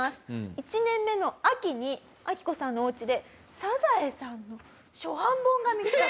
１年目の秋にアキコさんのおうちで『サザエさん』の初版本が見つかる。